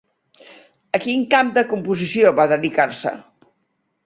A quin camp de composició va dedicar-se?